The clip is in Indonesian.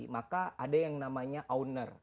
maka ada yang namanya owner